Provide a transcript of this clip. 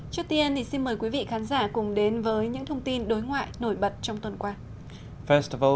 trước tiên thì xin mời quý vị khán giả cùng đến với những thông tin đối ngoại nổi bật trong tuần qua